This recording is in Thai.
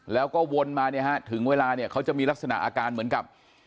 แล้วก็วนมาเนี่ยฮะถึงเวลาเนี่ยเขาจะมีลักษณะอาการเหมือนกับ